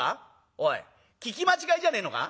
おい聞き間違いじゃねえのか？